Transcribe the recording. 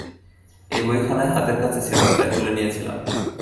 এই বইখানাই হাতের কাছে ছিল তাই তুলে নিয়েছিলাম।